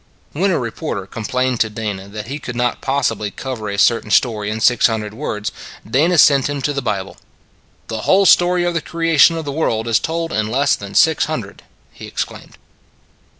When a reporter complained to Dana that he could not possibly cover a certain story in six hundred words, Dana sent him to the Bible :" The whole story of the creation of the world is told in less than six hundred," he exclaimed.